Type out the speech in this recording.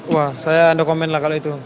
wah saya ada komen lah kalau itu